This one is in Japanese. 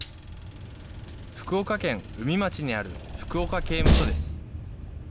福岡県宇美町にある福岡刑務所です。